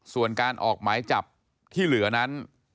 ส่วนการออกหมายจับที่เหลือนั้น